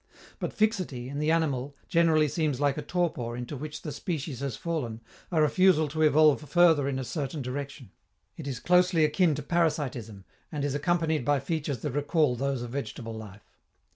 But fixity, in the animal, generally seems like a torpor into which the species has fallen, a refusal to evolve further in a certain direction; it is closely akin to parasitism and is accompanied by features that recall those of vegetable life.